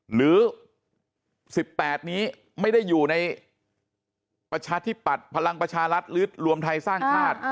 หรือ๑๘นี้ไม่ได้อยู่ในประชาธิปัตย์พลังประชารัฐหรือรวมไทยสร้างชาติ